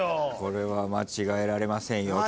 これは間違えられませんよ